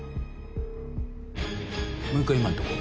もう一回今のとこ。